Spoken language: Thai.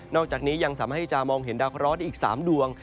อกจากนี้ยังสามารถที่จะมองเห็นดาวเคราะห์ได้อีก๓ดวง